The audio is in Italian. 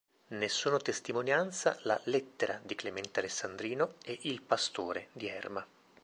Ne sono testimonianza la "Lettera" di Clemente Alessandrino e il "Pastore" di Erma.